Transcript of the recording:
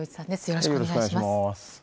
よろしくお願いします。